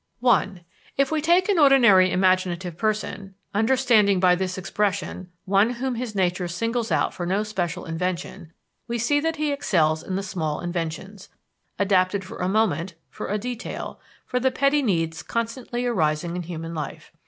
I If we take an ordinary imaginative person, understanding by this expression, one whom his nature singles out for no special invention we see that he excels in the small inventions, adapted for a moment, for a detail, for the petty needs constantly arising in human life.